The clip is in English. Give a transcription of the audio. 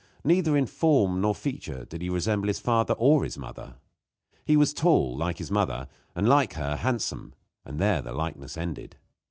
Neither in form nor in feature did he resemble his father or his mother. He was tall, like his mother, and, like her, handsome, and there the likeness ended.